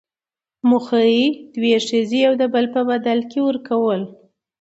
موخۍ، دوې ښځي يو دبل په بدل کي ورکول.